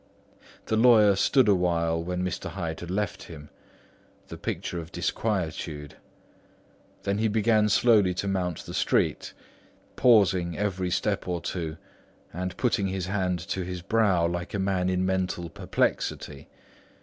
The lawyer stood awhile when Mr. Hyde had left him, the picture of disquietude. Then he began slowly to mount the street, pausing every step or two and putting his hand to his brow like a man in mental perplexity.